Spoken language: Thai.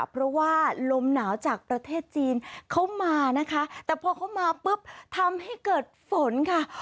เพราะว่าลมหนาวจากประเทศจีนเขามานะคะแต่พอเขามาปุ๊บทำให้เกิดฝนค่ะ